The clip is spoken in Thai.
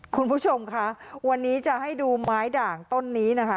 คุณผู้ชมค่ะวันนี้จะให้ดูไม้ด่างต้นนี้นะคะ